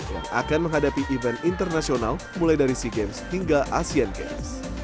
yang akan menghadapi event internasional mulai dari sea games hingga asean games